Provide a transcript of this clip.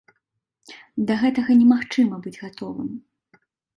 Да гэтага немагчыма быць гатовым.